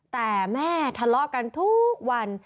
แต่แม่ทะเลาะกันทุกวัน